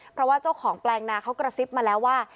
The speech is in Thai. เพราะว่าเจ้าของแปลงนาเขากระซิบมาแล้วว่า